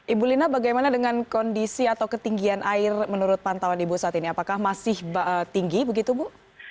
ibu lina bagaimana dengan kondisi atau ketinggian air menurut pantauan ibu saat ini apakah masih tinggi begitu bu